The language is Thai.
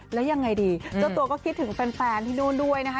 แล้วยังไงดีเจ้าตัวก็คิดถึงแฟนที่นู่นด้วยนะคะ